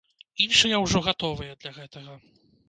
Іншыя ўжо гатовыя да гэтага.